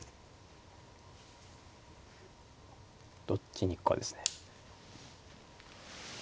どっちに行くかですね。